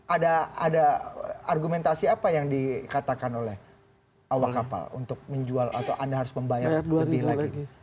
ada argumentasi apa yang dikatakan oleh awak kapal untuk menjual atau anda harus membayar lebih lagi